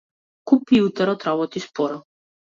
Компјутерот работи споро.